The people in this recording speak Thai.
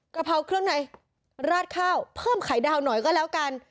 กระเพราเครื่องในราดข้าวเพิ่มไข่ดาวหน่อยก็แล้วกัน